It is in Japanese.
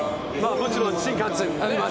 もちろん、新幹線あります。